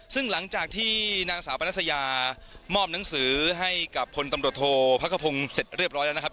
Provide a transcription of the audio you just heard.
ซึ่งหลังจากที่นางสาวปนัสยามอบหนังสือให้กับพลตำรวจโทษพระกระพงศ์เสร็จเรียบร้อยแล้วนะครับ